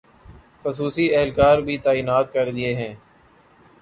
خصوصی اہلکار بھی تعینات کردیئے ہیں